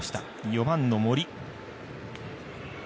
４番の森。